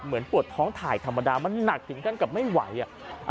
เหมือนปวดท้องถ่ายธรรมดามันหนักถึงขั้นกับไม่ไหวอ่ะ